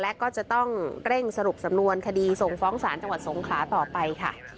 และก็จะต้องเร่งสรุปสำนวนคดีส่งฟ้องศาลจังหวัดสงขลาต่อไปค่ะ